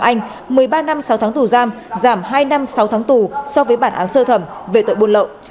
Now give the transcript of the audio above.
anh một mươi ba năm sáu tháng tù giam giảm hai năm sáu tháng tù so với bản án sơ thẩm về tội buôn lậu